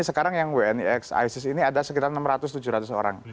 sekarang yang wni x isis ini ada sekitar enam ratus tujuh ratus orang